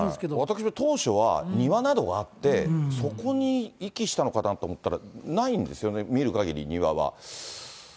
私も当初は、庭などがあって、そこに遺棄したのかなと思ったら、ないんですよね、見るかぎり、庭は。